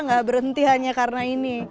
nggak berhenti hanya karena ini